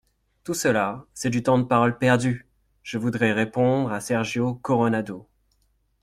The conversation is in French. Tout cela, c’est du temps de parole perdu ! Je voudrais répondre à Sergio Coronado.